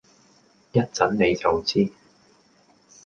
一陣你就知